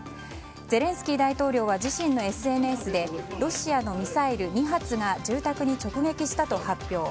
ゼレンスキー大統領は自身のＳＮＳでロシアのミサイル２発が住宅に直撃したと発表。